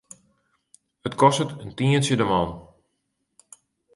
It kostet in tientsje de man.